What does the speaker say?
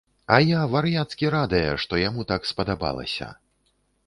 А я вар'яцкі радая, што яму так спадабалася.